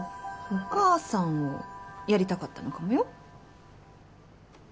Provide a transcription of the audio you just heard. お母さんをやりたかったのかもよ